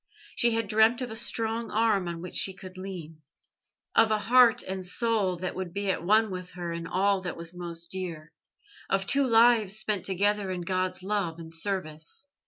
She had dreamt of a strong arm on which she could lean, of a heart and soul that would be at one with her in all that was most dear, of two lives spent together in God's love and service.